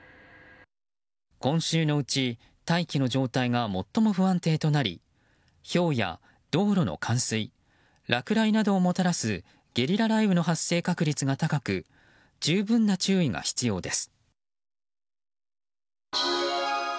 今週のうち大気の状態が最も不安定となりひょうや道路の冠水落雷などをもたらすゲリラ雷雨の発生確率が高く十分な注意が必要です。